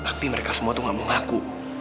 tapi mereka semua tuh gak mau ngaku